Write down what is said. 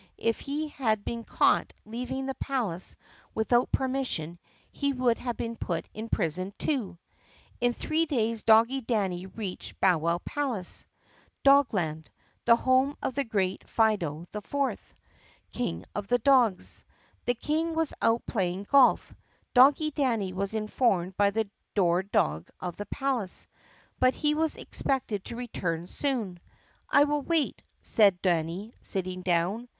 If he had been caught leaving the palace without permission he would have been put in prison, too. In three days Doggie Danny reached Bowwow Palace, Dog land, the home of the great Fido IV, King of the dogs. The King was out playing golf, Doggie Danny was informed by the door dog of the palace, but he was expected to return soon. "I will wait," said Danny sitting down.